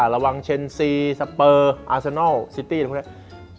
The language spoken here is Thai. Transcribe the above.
ระวังเชนซีสเปอร์อาเซนัลซิตี้อะไรพวกนี้